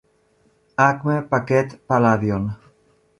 Acme paquet Palladion.